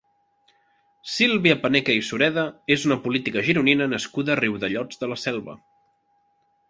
Sílvia Paneque i Sureda és una política gironina nascuda a Riudellots de la Selva.